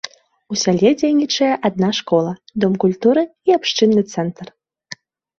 У сяле дзейнічае адна школа, дом культуры і абшчынны цэнтр.